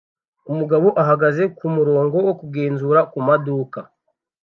Umugabo ahagaze kumurongo wo kugenzura kumaduka